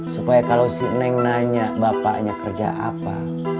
supaya kalau si neng nanya bapaknya kerja apa